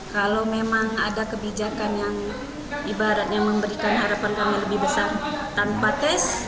kalau memang ada kebijakan yang ibaratnya memberikan harapan kami lebih besar tanpa tes